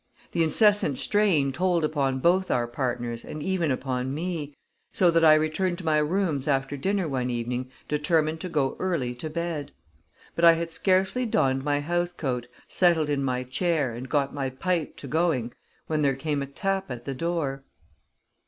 The incessant strain told upon both our partners and even upon me, so that I returned to my rooms after dinner one evening determined to go early to bed. But I had scarcely donned my house coat, settled in my chair, and got my pipe to going, when there came a tap at the door.